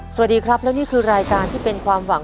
สวัสดีครับและนี่คือรายการที่เป็นความหวัง